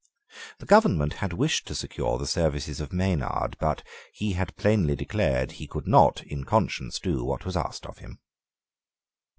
The government had wished to secure the services of Maynard: but he had plainly declared that he could not in conscience do what was asked of him.